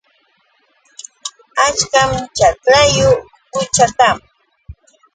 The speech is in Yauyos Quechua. Achkam ćhaklaćhu ukucha kan.